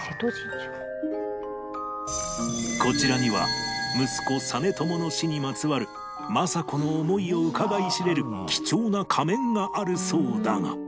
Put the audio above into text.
こちらには息子実朝の死にまつわる政子の思いをうかがい知れる貴重な仮面があるそうだが